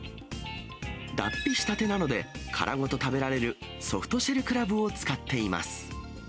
脱皮したてなので、殻ごと食べられるソフトシェルクラブを使っています。